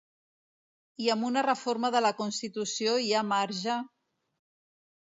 I amb una reforma de la constitució hi ha marge….